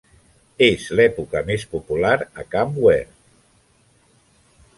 És l'època més popular a Camp Ware.